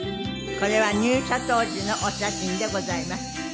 これは入社当時のお写真でございます。